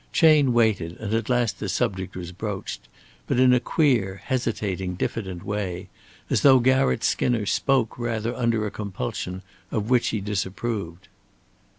Chayne waited and at last the subject was broached, but in a queer, hesitating, diffident way, as though Garratt Skinner spoke rather under a compulsion of which he disapproved.